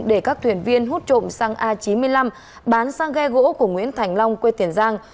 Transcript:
để các thuyền viên hút trộm sang a chín mươi năm bán sang ghe gỗ của nguyễn thành long quê tiền giang